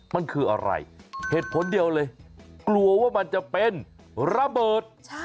มันคืออะไรเหตุผลเดียวเลยกลัวว่ามันจะเป็นระเบิด